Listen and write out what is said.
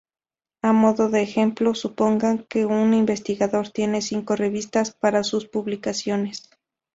A modo de ejemplo, suponga que un investigador tiene cinco revistas para sus publicaciones.